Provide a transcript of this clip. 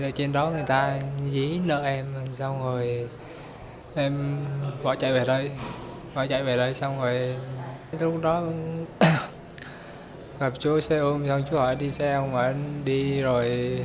họ chạy về đây xong rồi lúc đó gặp chú xe ôm xong chú hỏi đi xe ôm hắn đi rồi